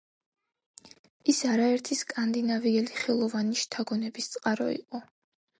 ის არაერთი სკანდინავიელი ხელოვანის შთაგონების წყარო იყო.